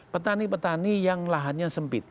petani petani yang lahannya sempit